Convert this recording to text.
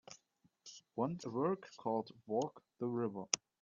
Want a work called Walk the River